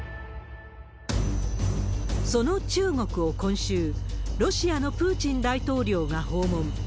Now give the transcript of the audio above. その中国を今週、ロシアのプーチン大統領が訪問。